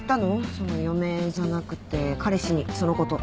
その嫁じゃなくて彼氏にそのこと。